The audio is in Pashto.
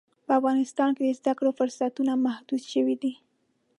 په افغانستان کې د زده کړې فرصتونه محدود شوي دي.